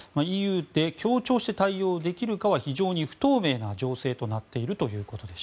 ＥＵで協調して対応できるかは不透明な情勢となっていると。